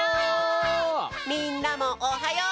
みんなもおはよう！